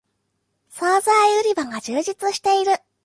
そうざい売り場が充実している